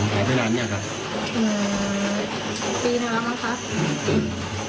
เกลียดมาก